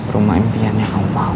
rumah impiannya kau mau